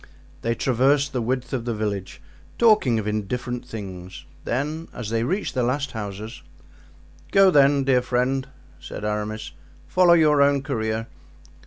They traversed the width of the village, talking of indifferent things, then as they reached the last houses: "Go, then, dear friend," said Aramis, "follow your own career.